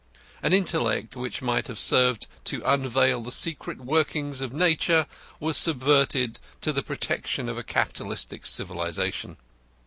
An intellect which might have served to unveil the secret workings of nature was subverted to the protection of a capitalistic civilisation.